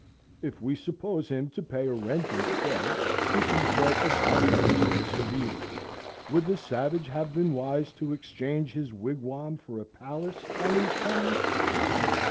If we suppose him to pay a rent instead, this is but a doubtful choice of evils. Would the savage have been wise to exchange his wigwam for a palace on these terms?